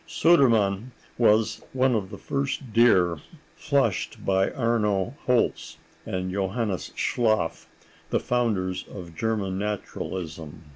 Sudermann was one of the first deer flushed by Arno Holz and Johannes Schlaf, the founders of German naturalism.